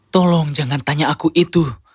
tolong jangan tanya aku itu